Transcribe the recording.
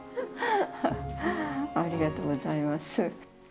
ありがとうございます。